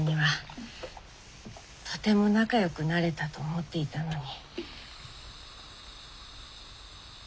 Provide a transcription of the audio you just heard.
とても仲良くなれたと思っていたのに。